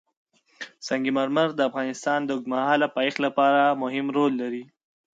سنگ مرمر د افغانستان د اوږدمهاله پایښت لپاره مهم رول لري.